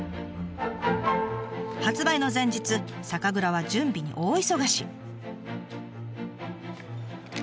発売の前日酒蔵は準備に大忙し。